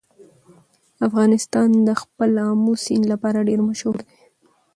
افغانستان د خپل آمو سیند لپاره ډېر مشهور دی.